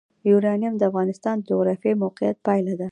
یورانیم د افغانستان د جغرافیایي موقیعت پایله ده.